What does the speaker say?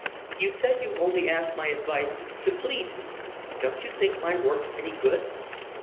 "You said you only asked my advice to please me. Don't you think my work's any good?"